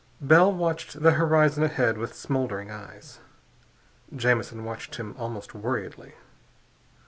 Bell watched the horizon ahead with smouldering eyes. Jamison watched him almost worriedly.